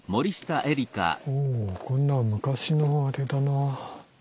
もうこんなの昔のあれだな。